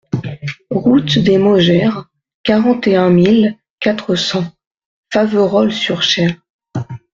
Route des Maugères, quarante et un mille quatre cents Faverolles-sur-Cher